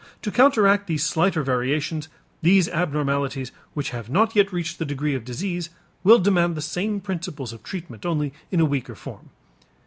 To counteract these slighter variations, these abnormalities which have not yet reached the degree of disease, will demand the same principles of treatment, only in a weaker form.